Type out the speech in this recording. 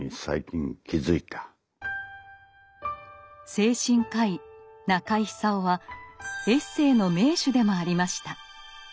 精神科医中井久夫はエッセイの名手でもありました。